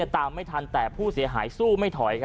ตามไม่ทันแต่ผู้เสียหายสู้ไม่ถอย